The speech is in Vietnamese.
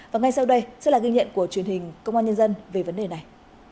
và ngay sau đây sẽ là ghi nhận của truyền hình công an nhân dân về vấn đề này